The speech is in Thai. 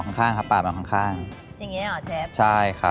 คุณคราวที่สวยกว่าของเช้ก